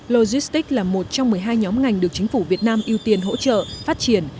logistics là một trong một mươi hai nhóm ngành được chính phủ việt nam ưu tiên hỗ trợ phát triển